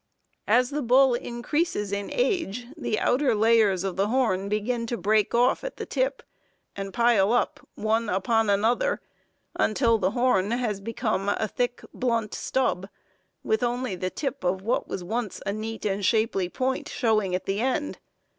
As the bull increases in age, the outer layers of the horn begin to break off at the tip and pile up one upon another, until the horn has become a thick, blunt stub, with only the tip of what was once a neat and shapely point showing at the end.